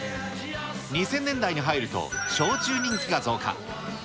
２０００年代に入ると焼酎人気が増加。